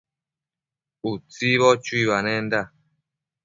Utsibo chuibanenda